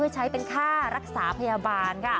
ใช้เป็นค่ารักษาพยาบาล